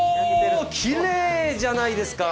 きれいじゃないですか！